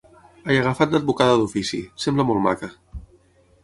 He agafat l’advocada d’ofici, sembla molt maca.